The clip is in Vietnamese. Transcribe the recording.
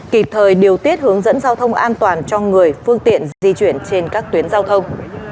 kịp thời điều tiết hướng dẫn giao thông an toàn cho người phương tiện di chuyển trên các tuyến giao thông